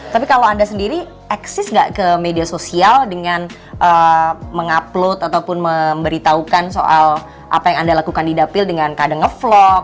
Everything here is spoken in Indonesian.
tapi kalau anda sendiri eksis gak ke media sosial dengan mengupload ataupun memberitahukan soal apa yang anda lakukan di dapil dengan kadang ngevlog